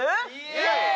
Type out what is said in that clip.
イエーイ！